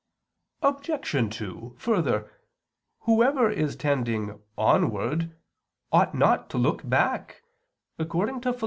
Obj. 2: Further, whoever is tending onward, ought not to look back, according to Phil.